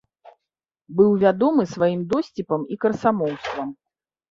Быў вядомы сваім досціпам і красамоўствам.